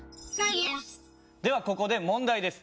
ではここで問題です。